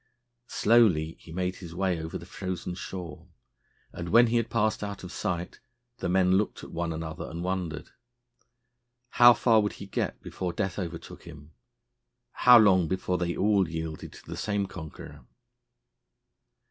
Slowly he made his way over the frozen shore, and, when he had passed out of sight, the men looked at one another and wondered. How far would he get before death overtook him? How long before they all yielded to the same conqueror?